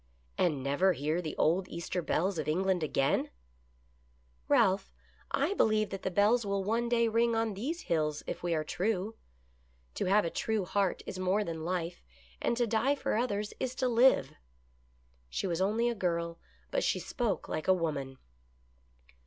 " And never hear the old Easter bells of England again ?"" Ralph, I believe that the bells will one day ring on these hills if we are true. To have a true heart is more than life, and to die for others is to live." She was only a girl, but she spoke like a woman.